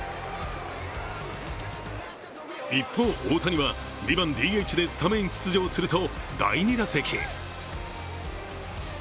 一方、大谷は２番・ＤＨでスタメン出場すると第２打席。